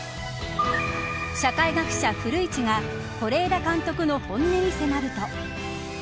社会学者古市が是枝監督の本音に迫ると。